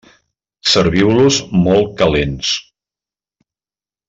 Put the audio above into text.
Serviu-los molt calents.